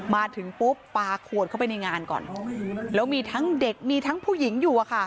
มาถึงปุ๊บปลาขวดเข้าไปในงานก่อนแล้วมีทั้งเด็กมีทั้งผู้หญิงอยู่อะค่ะ